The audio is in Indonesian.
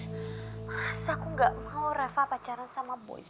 mas aku gak mau reva pacaran sama boys